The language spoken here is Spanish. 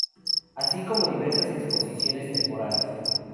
Así como diversas exposiciones temporales.